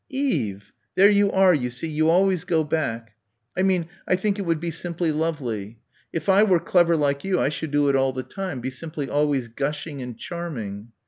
"Eve. There you are, you see, you always go back." "I mean I think it would be simply lovely. If I were clever like you I should do it all the time, be simply always gushing and 'charming.'"